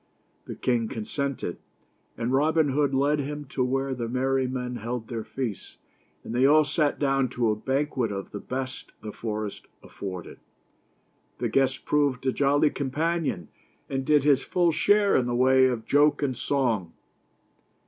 The king consented, and Robin Hood led him to where the merry men held their feasts, and they all sat down to a banquet of the best the forest afforded. The guest proved a jolly companion, and did his full share in the way of joke and song.